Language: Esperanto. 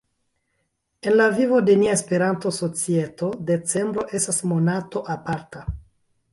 En la vivo de nia Esperanto-societo decembro estas monato aparta.